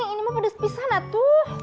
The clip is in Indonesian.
ini mah pedes pisang ate